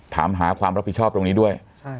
ถามหาความรับผิดชอบตรงนี้ด้วย